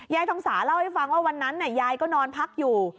ทองสาเล่าให้ฟังว่าวันนั้นยายก็นอนพักอยู่